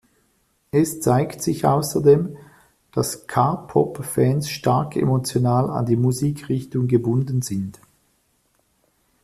Es zeigt sich außerdem, dass K-Pop-Fans stark emotional an die Musikrichtung gebunden sind.